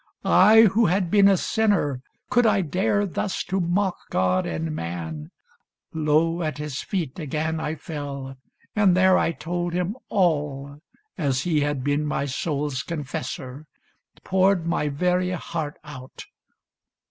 I who had been a sinner, could I dare Thus to mock God and man ? Low at his feet Again I fell, and there I told him all As he had been my soul's confessor, poured My very heart out.